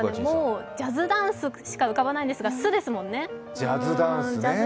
ジャズダンスしか浮かばないんですが「つ」ですもんね。